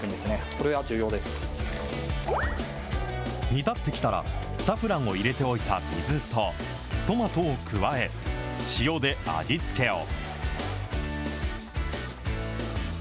煮立ってきたら、サフランを入れておいた水とトマトを加え、塩で味付けを。